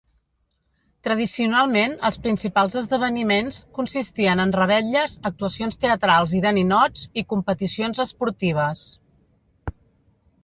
Tradicionalment, els principals esdeveniments consistien en revetlles, actuacions teatrals i de ninots i competicions esportives.